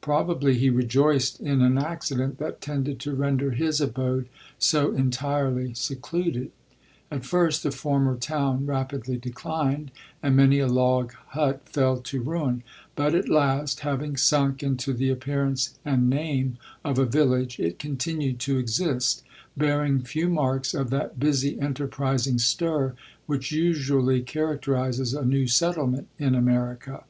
Probably he rejoiced in an accident that tended to render his abode so entirely secluded. At first the former town rapidly declined, and many a log hut fell to ruin ; but at last, having sunk into the appear ance and name of a village, it continued to exist, bearing few marks of that busy enter prising stir which usually characterizes a new settlement in America.